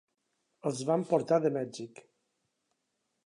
Els van portar de Mèxic.